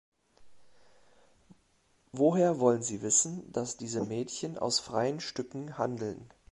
Woher wollen Sie wissen, dass diese Mädchen aus freien Stücken handeln?